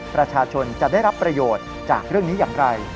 ประชาชนจะได้รับประโยชน์จากเรื่องนี้อย่างไร